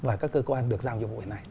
và các cơ quan được giao nhiệm vụ như thế này